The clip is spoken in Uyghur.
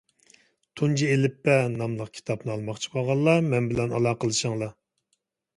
«تۇنجى ئېلىپبە» ناملىق كىتابنى ئالماقچى بولغانلار مەن بىلەن ئالاقىلىشىڭلار.